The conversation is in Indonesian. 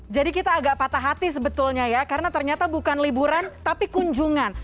jadi kita agak patah hati sebetulnya ya karena ternyata bukan liburan tapi kunjungan